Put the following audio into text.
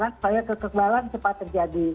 supaya kekebalan cepat terjadi